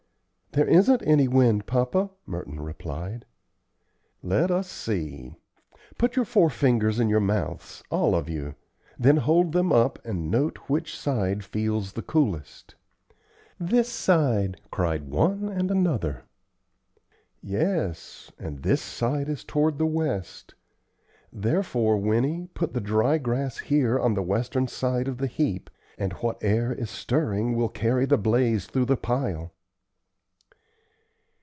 "There isn't any wind, papa," Merton replied. "Let us see. Put your forefingers in your mouths, all of you, then hold them up and note which side feels the coolest." "This side!" cried one and another. "Yes; and this side is toward the west; therefore, Winnie, put the dry grass here on the western side of the heap, and what air is stirring will carry the blaze through the pile."